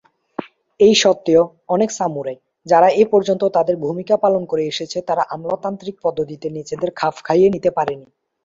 এই সত্ত্বেও, অনেক সামুরাই, যারা এই পর্যন্ত তাদের ভূমিকা পালন করে এসেছে তারা আমলাতান্ত্রিক পদ্ধতিতে নিজেদেরকে খাপ খাইয়ে নিতে পারেনি।